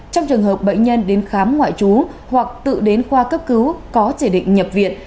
trong trường hợp bệnh nhân đến khám ngoại trú hoặc tự đến khoa cấp cứu có chỉ định nhập viện